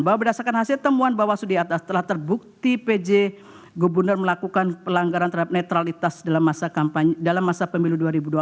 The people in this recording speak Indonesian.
bahwa berdasarkan hasil temuan bawaslu di atas telah terbukti pj gubernur melakukan pelanggaran terhadap netralitas dalam masa pemilu dua ribu dua puluh